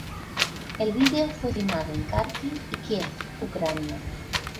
El video fue filmado en Kharkiv y Kiev, Ucrania.